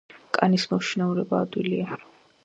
კანის მოშინაურება ადვილია.